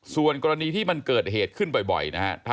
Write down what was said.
ส่วนกรณีที่มันเกิดเหตุขึ้นบ่อยนะฮะ